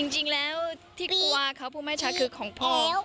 จริงแล้วที่กลัวเขาพูดไม่ชัดคือของพ่อ